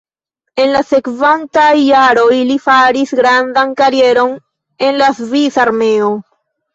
En la sekvantaj jaroj li faris grandan karieron en la Svisa Armeo.